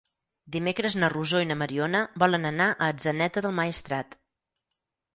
Dimecres na Rosó i na Mariona volen anar a Atzeneta del Maestrat.